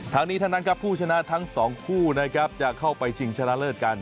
ทั้งนี้ทั้งนั้นครับผู้ชนะทั้งสองคู่นะครับจะเข้าไปชิงชนะเลิศกัน